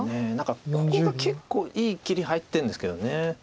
ここが結構いい切り入ってるんですけど。